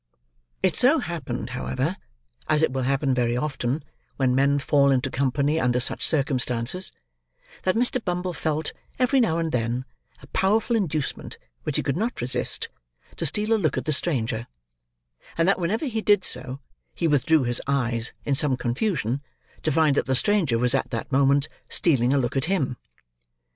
It so happened, however: as it will happen very often, when men fall into company under such circumstances: that Mr. Bumble felt, every now and then, a powerful inducement, which he could not resist, to steal a look at the stranger: and that whenever he did so, he withdrew his eyes, in some confusion, to find that the stranger was at that moment stealing a look at him.